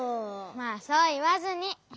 まあそういわずに。